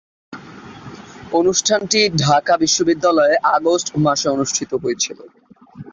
অনুষ্ঠানটি ঢাকা বিশ্ববিদ্যালয়ে আগস্ট মাসে অনুষ্ঠিত হয়েছিলো।